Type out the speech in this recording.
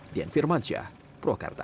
dian firmansyah prokarta